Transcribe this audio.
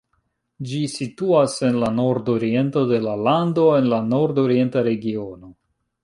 Ĝi situas en la nordoriento de la lando en la Nordorienta Regiono.